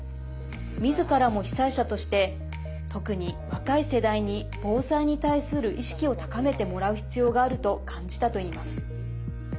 みずからも被災者として特に若い世代に防災に対する意識を高めてもらう必要があると感じたといいます。